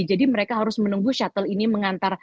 jadi mereka harus menunggu shuttle ini mengantar